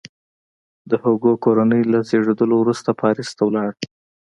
د هوګو کورنۍ له زیږېدلو وروسته پاریس ته ولاړه.